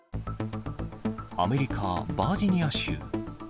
アメリカ・バージニア州。